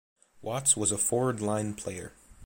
Watts was a forward line player.